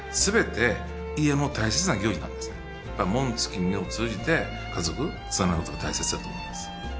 紋付を通じて家族とつながることが大切だと思います